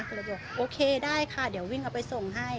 ก็เลยบอกโอเคได้ค่ะเดี๋ยววิ่งเอาไปส่งให้